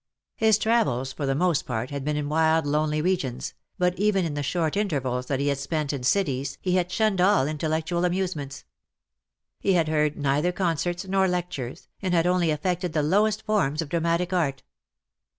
His travels for the most part had been in wild lonely regions, but even in the short intervals that he had spent in cities he had shunned all intellec tual amusements. He had heard neither concerts nor lectures, and had only affected the lowest forms of dramatic art.